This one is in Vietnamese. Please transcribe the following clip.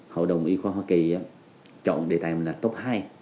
hội đồng y khoa hoa kỳ chọn đề tài là top hai